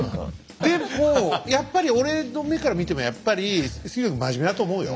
でもやっぱり俺の目から見てもやっぱり杉野君真面目だと思うよ。